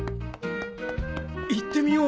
行ってみようか。